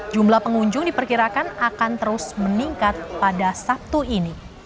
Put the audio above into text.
jumlah pengunjung diperkirakan akan terus meningkat pada sabtu ini